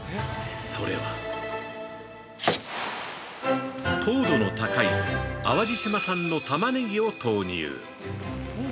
それは糖度の高い淡路島産のタマネギを投入。